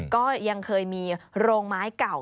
ก็ยังเคยมีโรงไม้เก่า